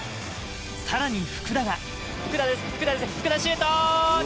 さらに福田は。